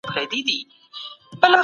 د خپلوي اړیکي عصبیت پیدا کوي.